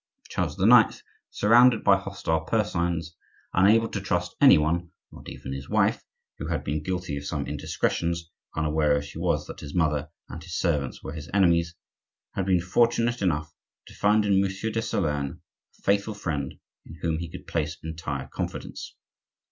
Charles IX., surrounded by hostile persons, unable to trust any one, not even his wife (who had been guilty of some indiscretions, unaware as she was that his mother and his servants were his enemies), had been fortunate enough to find in Monsieur de Solern a faithful friend in whom he could place entire confidence.